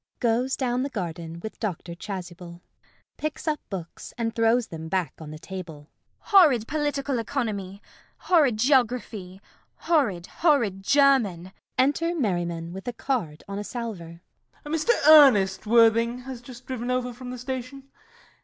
[Goes down the garden with Dr. Chasuble.] CECILY. [Picks up books and throws them back on table.] Horrid Political Economy! Horrid Geography! Horrid, horrid German! [Enter Merriman with a card on a salver.] MERRIMAN. Mr. Ernest Worthing has just driven over from the station.